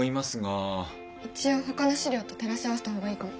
一応ほかの史料と照らし合わせた方がいいかも。